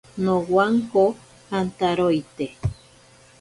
Nowanko antaroite.